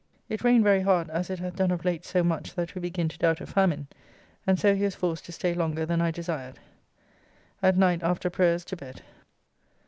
It rained very hard, as it hath done of late so much that we begin to doubt a famine, and so he was forced to stay longer than I desired. At night after prayers to bed.